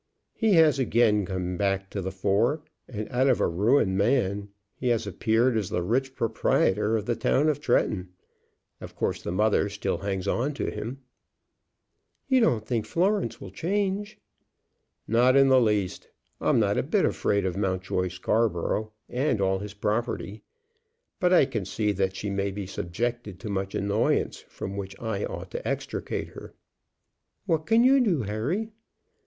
He has again come back to the fore, and out of a ruined man has appeared as the rich proprietor of the town of Tretton. Of course the mother hangs on to him still." "You don't think Florence will change?" "Not in the least. I'm not a bit afraid of Mountjoy Scarborough and all his property; but I can see that she may be subjected to much annoyance from which I ought to extricate her." "What can you do, Harry?"